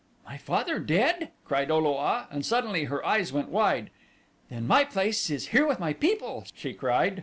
"My father dead?" cried O lo a, and suddenly her eyes went wide. "Then my place is here with my people," she cried.